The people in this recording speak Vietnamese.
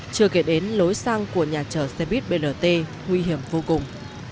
chưa kể đến lối sang của nhà chở xe buýt brt nguy hiểm vô cùng